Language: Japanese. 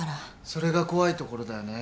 それが怖いところだよね。